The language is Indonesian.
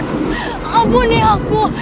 tidak tuhan abu ne aku